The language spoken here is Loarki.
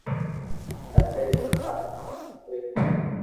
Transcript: اپي ٿارو وات ڪوئي مونو